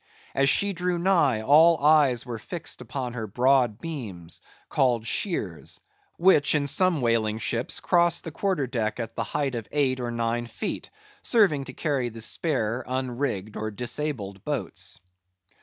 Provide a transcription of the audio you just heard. As she drew nigh, all eyes were fixed upon her broad beams, called shears, which, in some whaling ships, cross the quarter deck at the height of eight or nine feet; serving to carry the spare, unrigged, or disabled boats.